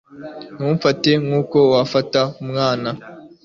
ntumfate nkuko wafata umwana